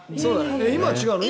今、違うの？